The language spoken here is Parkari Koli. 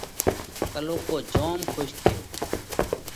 تلُوڪو جوم کُش ٿيو۔